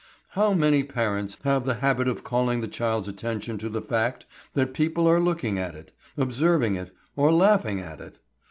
How many parents have the habit of calling the child's attention to the fact that people are looking at it, observing it, or laughing at it!